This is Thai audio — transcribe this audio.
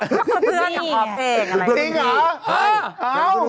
น่ะคนเป็นเพื่อนที่คอล์ทเองเป็นเพื่อนของพี่นุ่ม